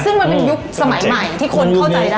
ซึ่งมันเป็นยุคสมัยใหม่ที่คนเข้าใจได้